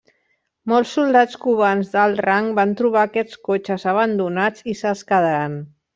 Molts soldats cubans d'alt rang van trobar aquests cotxes abandonats i se'ls quedaren.